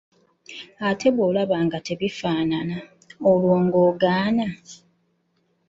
Ate bwolaba nga tebifaanana, olwo ng'ogaana.